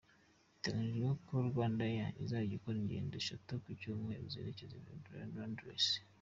Biteganyijwe ko RwandAir izajya ikora ingendo eshatu mu cyumweru zerekeza i Londres.